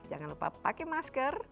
jangan lupa pakai masker